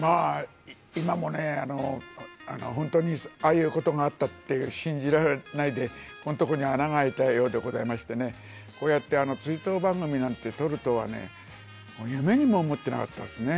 今も本当にああいうことがあったっていう、信じられないで、ここんとこに穴が開いたようでございまして、こうやって追悼番組なんて撮るとはね、夢にも思ってなかったですね。